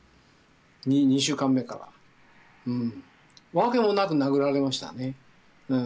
訳もなく殴られましたね。